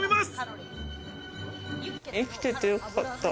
生きててよかった。